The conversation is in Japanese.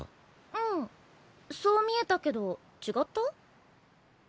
うんそう見えたけど違った？